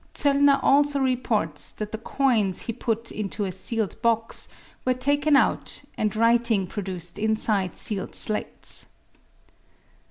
Zollner also reports that the coins he put into a sealed box were taken out and writ ing produced inside sealed slates.